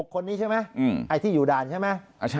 คนนี้ใช่ไหมไอ้ที่อยู่ด่านใช่ไหม